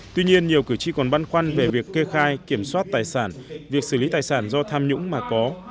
tuy nhiên nhiều cử tri còn băn khoăn về việc kê khai kiểm soát tài sản việc xử lý tài sản do tham nhũng mà có